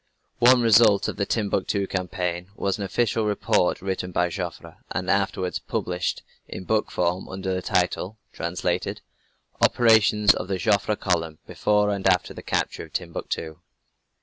One result of the Timbuctoo campaign was an official report written by Joffre, and afterwards published in book form under the title (translated) "Operations of the Joffre Column before and after the Capture of Timbuctoo."